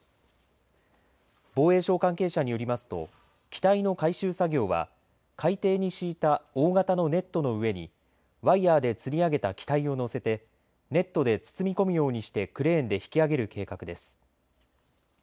防衛省関係者によりますと機体の回収作業は海底に敷いた大型のネットの上にワイヤーでつり上げた機体を乗せてネットで包み込むようにしてクレーンで引き揚げる計画です。